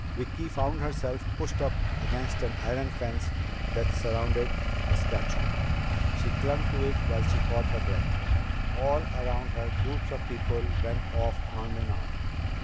Vicki found herself pushed up against an iron fence that surrounded a statue. She clung to it while she caught her breath. All around her, groups of people went off arm in arm.